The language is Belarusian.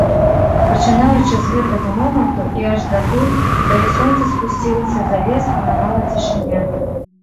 Пачынаючы з гэтага моманту і аж датуль, калі сонца спусцілася за лес, панавала цішыня.